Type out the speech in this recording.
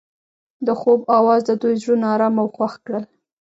د خوب اواز د دوی زړونه ارامه او خوښ کړل.